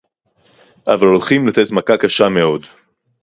אבל הולכים לתת מכה קשה מאוד